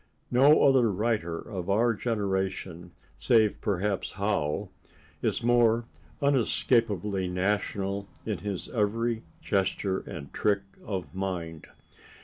No other writer of our generation, save perhaps Howe, is more unescapably national in his every gesture and trick of mind.